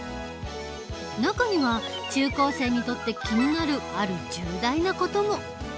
中には中高生にとって気になるある重大な事も。